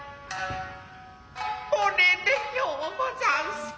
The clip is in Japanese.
これでようござんすか。